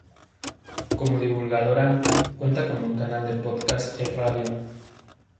Como divulgadora, cuenta con un canal de podcast y radio.